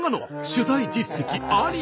取材実績あり。